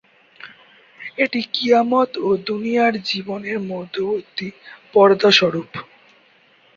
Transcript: এটি কিয়ামত ও দুনিয়ার জীবনের মধ্যবর্তী পর্দা স্বরুপ।